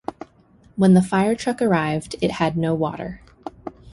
When the firetruck arrived it had no water.